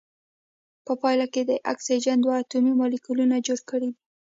په پایله کې د اکسیجن دوه اتومي مالیکول جوړ کړی دی.